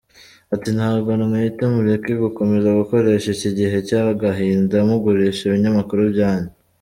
Ati “Ntabwo ntwite, mureke gukomeza gukoresha iki gihe cy’agahinda mugurisha ibinyamakuru byanyu”.